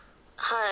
「はい」